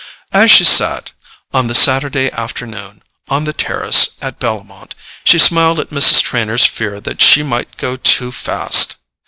As she sat, on the Saturday afternoon, on the terrace at Bellomont, she smiled at Mrs. Trenor's fear that she might go too fast.